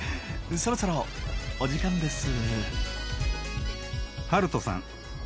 そろそろお時間です。